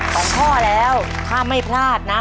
สองข้อแล้วถ้าไม่พลาดนะ